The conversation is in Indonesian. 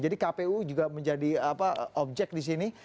jadi kpu juga menjadi objek di sini